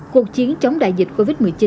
cuộc chiến chống đại dịch covid một mươi chín